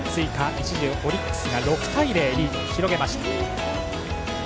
一時オリックスが６対０とリードを広げました。